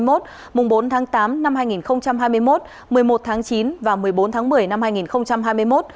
mùng bốn tháng tám năm hai nghìn hai mươi một một mươi một tháng chín và một mươi bốn tháng một mươi năm hai nghìn hai mươi một